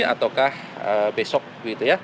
ataukah besok gitu ya